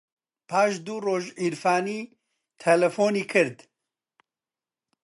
پاش دوو ڕۆژ عیرفانی تەلەفۆنی کرد.